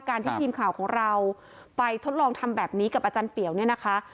ที่ทีมข่าวของเราไปทดลองทำแบบนี้กับอาจารย์เปียวเนี่ยนะคะ